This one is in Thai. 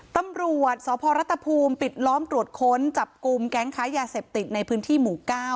ตำรวจสพรัฐภูมิปิดล้อมตรวจค้นจับกลุ่มแก๊งค้ายาเสพติดในพื้นที่หมู่๙